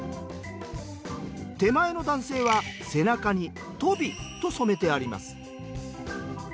手前の男性は背中に「鳶」と染めてあります。